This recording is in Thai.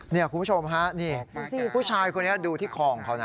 เนี่ยคุณผู้ชมฮะพูดชายคนนี้ดูที่คลองเขานะ